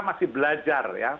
masih belajar ya